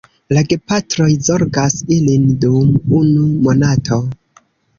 La gepatroj zorgas ilin dum unu monato.